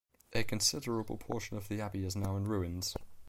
A considerable portion of the abbey is now in ruins.